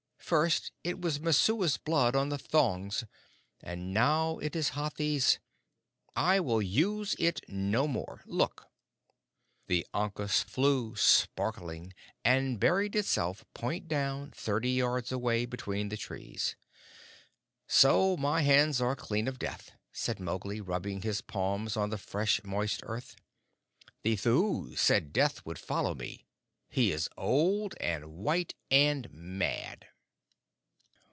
First it was Messua's blood on the thongs, and now it is Hathi's. I will use it no more. Look!" The ankus flew sparkling, and buried itself point down thirty yards away, between the trees. "So my hands are clean of Death," said Mowgli, rubbing his palms on the fresh, moist earth. "The Thuu said Death would follow me. He is old and white and mad."